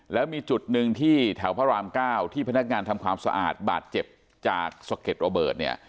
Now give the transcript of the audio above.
แล้วมีจุดหนึ่งที่แถวพระรามเก้าที่พนักงานทำความสะอาดบาดเจ็บจากสะเก็ดระเบิดเนี่ย